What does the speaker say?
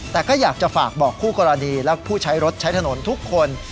แต่ก็อยากจะฝากบอกคู่กรณีและผู้ใช้รถใช้ถนนทุกคน